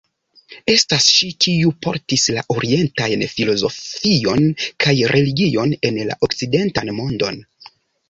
Estas ŝi, kiu portis la orientajn filozofion kaj religion en la okcidentan mondon.